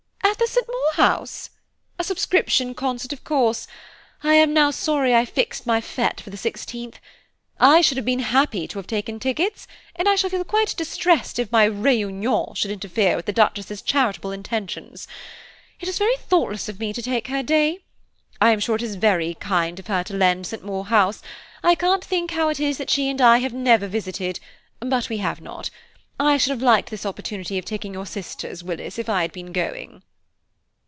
"At St. Maur house? a subscription concert of course; I am sorry now I fixed my fête for the 16th. I should have been happy to have taken tickets, and I shall feel quite distressed if my réunion should interfere with the Duchess's charitable intentions. It was very thoughtless of me to take her day. I am sure it is very kind of her to lend St. Maur House; I can't think how it is that she and I have never visited, but we have not. I should have liked this opportunity of taking your sisters, Willis, if I had been going."